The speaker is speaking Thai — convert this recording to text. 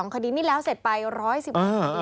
๓๓๒คดีนี้แล้วเสร็จไป๑๑๖คดีแล้ว